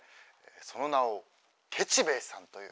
その名をケチ兵衛さんという」。